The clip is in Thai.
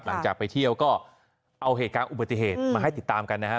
หลังจากไปเที่ยวก็เอาเหตุการณ์อุบัติเหตุมาให้ติดตามกันนะฮะ